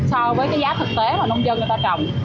so với cái giá thực tế mà nông dân người ta trồng